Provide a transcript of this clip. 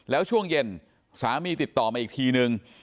แล้วช่วงเย็นสามีติดต่อมาอีกทีนึง